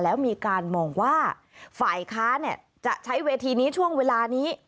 แล้วมีการมองว่าฝ่ายค้าจะใช้เวทีนี้ช่วงเวลานี้